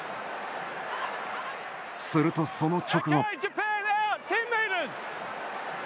すると、その直後。